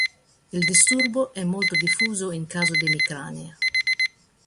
Il disturbo è molto diffuso in caso di emicrania.